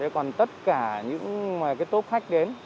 còn tất cả những tốp khách đến